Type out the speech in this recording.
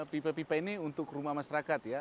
pipa pipa ini untuk rumah masyarakat ya